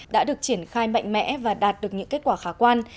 đã được triển khai mạnh mẽ và đạt được những kết quả khả quan